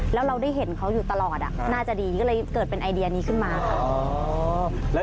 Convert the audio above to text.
แล้วเราได้เห็นเขาอยู่ตลอดน่าจะดีก็เลยเกิดเป็นไอเดียนี้ขึ้นมาค่ะ